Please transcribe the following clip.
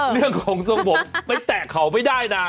เรื่องทรงผมไปแตะเข่าไปได้นะ